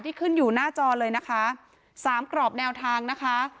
ขึ้นอยู่หน้าจอเลยนะคะสามกรอบแนวทางนะคะ